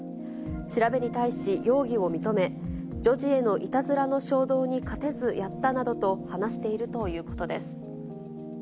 調べに対し容疑を認め、女児へのいたずらの衝動に勝てずやったなどと、話しているということです。